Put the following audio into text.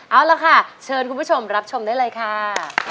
เอาละค่ะเชิญคุณผู้ชมรับชมได้เลยค่ะ